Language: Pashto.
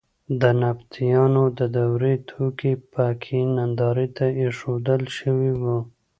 د نبطیانو د دورې توکي په کې نندارې ته اېښودل شوي وو.